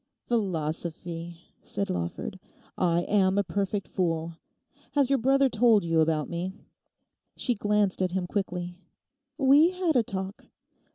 '"Philosophy!"' said Lawford; 'I am a perfect fool. Has your brother told you about me?' She glanced at him quickly. 'We had a talk.